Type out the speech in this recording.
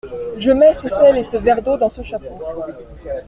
Je mets ce sel et ce verre d’eau dans ce chapeau.